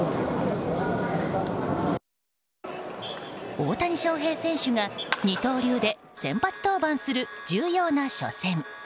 大谷翔平選手が、二刀流で先発登板する重要な初戦。